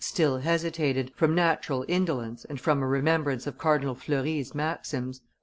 still hesitated, from natural indolence and from remembrance of Cardinal Fleury's maxims.